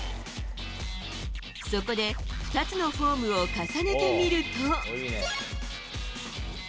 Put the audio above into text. そこで、２つのフォームを重ねてみると。